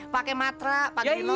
pake matra pak grino